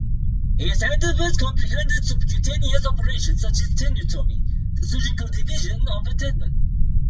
His endeavours comprehended subcutaneous operations such as tenotomy, the surgical division of a tendon.